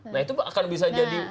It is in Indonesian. nah itu akan bisa jadi